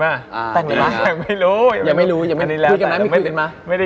ไม่รู้